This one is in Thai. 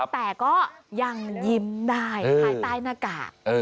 แต่ก็ยังยิ้มได้ภายใต้หน้ากาก